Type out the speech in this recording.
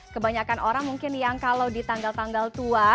kebanyakan orang mungkin yang kalau di tanggal tanggal tua